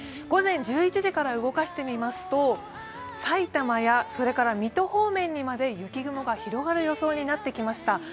午前１１時から動かしてみますとさいたまや水戸方面にまで雪雲が広がる予想となってきました。